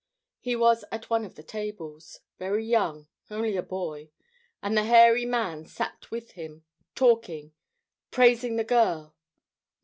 He was at one of the tables, very young, only a boy. And the hairy man sat with him, talking, praising the girl.